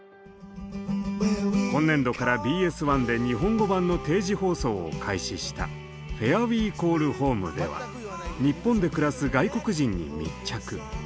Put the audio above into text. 今年度からＢＳ１で日本語版の定時放送を開始した「ＷｈｅｒｅＷｅＣａｌｌＨｏｍｅ」では日本で暮らす外国人に密着。